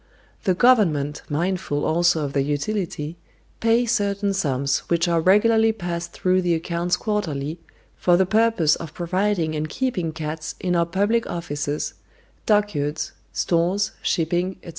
The Government, mindful also of their utility, pay certain sums, which are regularly passed through the accounts quarterly, for the purpose of providing and keeping cats in our public offices, dockyards, stores, shipping, etc.